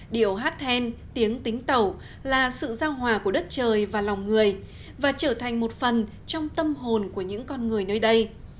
điệu hát then tiếng tính tẩu là sự giao hòa của đất trời và lòng người và trở thành một phần trong tâm hồn của những con người nơi đây